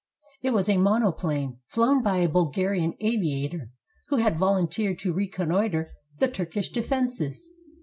It was a monoplane, flown by a Bulgarian aviator, who had volunteered to reconnoiter the Turkish defenses.